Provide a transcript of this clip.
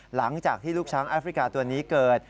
หลังจากที่ลูกช้างแอฟริกาตัวนี้เกิด